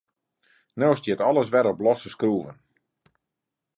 No stiet alles wer op losse skroeven.